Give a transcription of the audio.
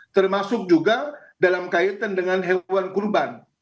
termasuk juga dalam kaitan dengan hewan kurban